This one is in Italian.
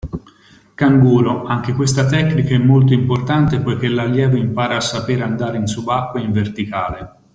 Canguro: anche questa tecnica è molto importante poiché l'allievo impara a sapere andare in subacquea in verticale.